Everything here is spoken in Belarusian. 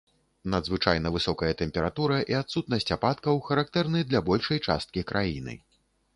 Надзвычайна высокая тэмпература і адсутнасць ападкаў характэрны для большай часткі краіны.